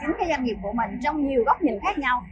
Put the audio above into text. chính cái doanh nghiệp của mình trong nhiều góc nhìn khác nhau